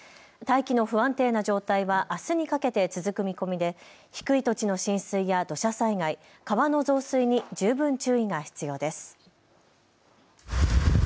大気の不安定な状態はあすにかけて続く見込みで低い土地の浸水や土砂災害、川の増水に十分注意が必要です。